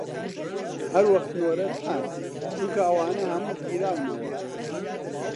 هەر وەخت نۆرەت هات، چونکە ئەوانە هەموو گیراونەوە